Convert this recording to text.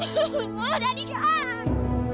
duh daddy jangan